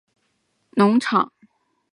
农业改良场